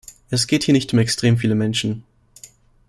Es geht hier nicht um extrem viele Menschen.